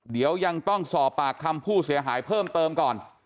เดี๋ยวยังต้องสอบปากคำผู้เสียหายเพิ่มเติมก่อน